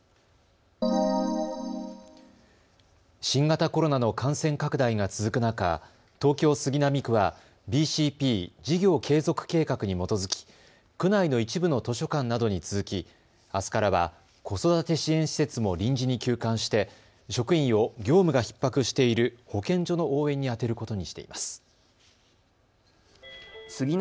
新型コロナの感染拡大が続く中、東京杉並区はＢＣＰ・事業継続計画に基づき区内の一部の図書館などに続きあすからは子育て支援施設も臨時に休館して職員を業務がひっ迫している保健所の応援に充てることにしています。